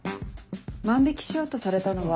万引しようとされたのは。